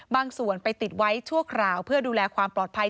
ส่วนไปติดไว้ชั่วคราวเพื่อดูแลความปลอดภัย